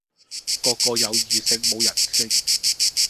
個個有異性無人性